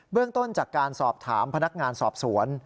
เรื่องต้นจากการสอบถามพนักงานสอบสวน